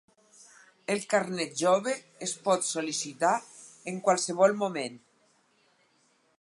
El Carnet Jove es pot sol·licitar en qualsevol moment.